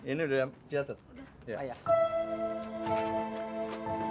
ini udah jatuh